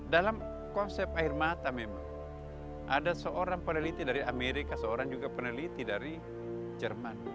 dalam konsep air mata memang ada seorang peneliti dari amerika seorang juga peneliti dari jerman